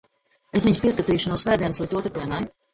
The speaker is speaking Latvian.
Es viņus pieskatīšu no svētdienas līdz otrdienai?